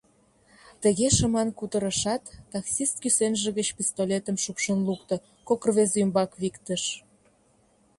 Тыге шыман кутырышат, таксист кӱсенже гыч пистолетым шупшын лукто, кок рвезе ӱмбак виктыш.